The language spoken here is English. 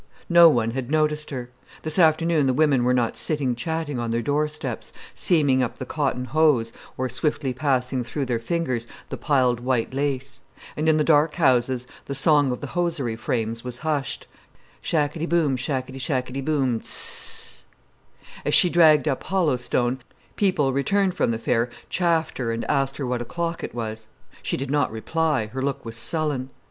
No one had noticed her. This afternoon the women were not sitting chatting on their doorsteps, seaming up the cotton hose, or swiftly passing through their fingers the piled white lace; and in the high dark houses the song of the hosiery frames was hushed: "Shackety boom, Shackety shackety boom, Z—zzz!" As she dragged up Hollow Stone, people returned from the fair chaffed her and asked her what o'clock it was. She did not reply, her look was sullen.